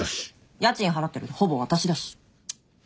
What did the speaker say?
家賃払ってるのほぼ私だし。